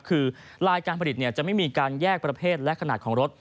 คือลายการผลิตจะไม่มีการแยกประเภทและขนาดของรถ